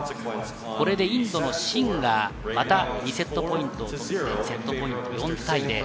これでインドのシンがまた２セットポイントを取って４対０。